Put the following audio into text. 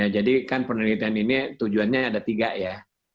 jadi kan penelitian ini tujuannya ada tiga ya